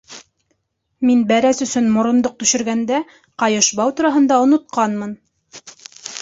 Мин бәрәс өсөн морондоҡ төшөргәндә, ҡайышбау тураһында онотҡанмын!